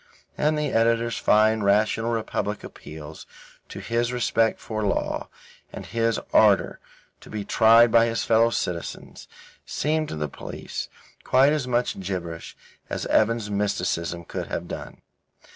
And the editor's fine rational republican appeals to his respect for law, and his ardour to be tried by his fellow citizens, seemed to the police quite as much gibberish as Evan's mysticism could have done.